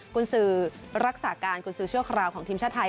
กุญสือรักษาการกุญสือเชื้อขอราวของทีมชาติไทย